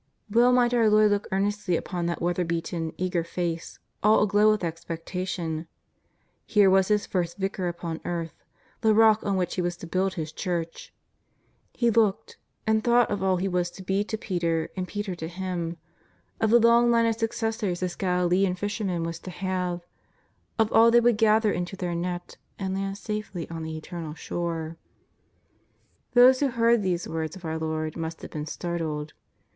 Well might our Lord look earnestly upon that weather beaten, eager face, all aglow with expectation. Here was His first Vicar upon earth, the Rock on which He was to build His Church. He looked, and thought of all He was to be to Peter and Peter to Him, of the long line of successors this Galilean fisherman was to have, of all they would gather into their net and land safely on the eternal Shore. Those who heard these words of our Lord must have been startled.